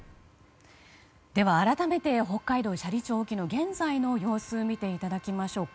では、改めて北海道斜里町沖の現在の様子を見ていただきましょう。